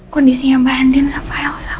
kondisinya mbak handen sama elsa